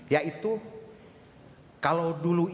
yaitu kalau dulu indonesia